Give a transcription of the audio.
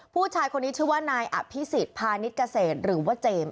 ผู้ชายคนนี้ชื่อว่านายอภิษฎพาณิชยเกษตรหรือว่าเจมส์